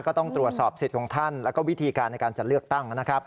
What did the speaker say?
ก็ต้องตรวจสอบสิทธิ์ของท่านแล้วก็วิธีการในการจะเลือกตั้งนะครับ